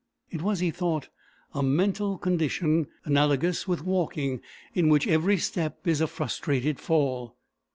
It was, he thought, a mental condition analogous with walking, in which every step is a frustrated fall.